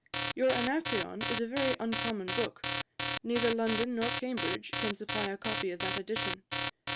Your Anacreon is a very uncommon book; neither London nor Cambridge can supply a copy of that edition.